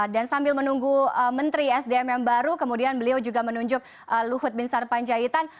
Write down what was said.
dan sambil menunggu menteri sdm yang baru kemudian beliau juga menunjuk luhut bin sarpanjaitan